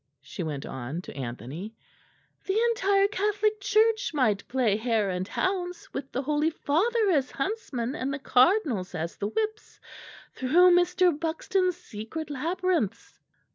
she went on to Anthony. "The entire Catholic Church might play hare and hounds with the Holy Father as huntsman and the Cardinals as the whips, through Mr. Buxton's secret labyrinths."